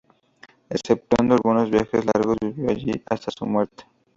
Exceptuando algunos viajes largos, vivió allí hasta su muerte.